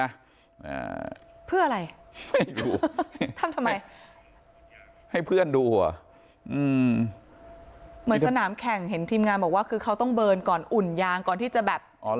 อ่าเพื่ออะไรไปดูทำทำไมให้เพื่อนดูเหรออืมเหมือนสนามแข่งเห็นทีมงานบอกว่าคือเขาต้องเบิร์นก่อนอุ่นยางก่อนที่จะแบบอ๋อ